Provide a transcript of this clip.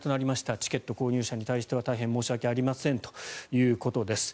チケット購入者に対しては大変申し訳ありませんということです。